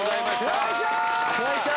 よいしょ！